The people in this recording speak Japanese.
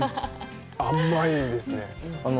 甘いですね。